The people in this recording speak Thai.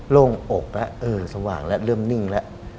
โล่งอกแล้วเออสว่างแล้วเริ่มนิ่งแล้ว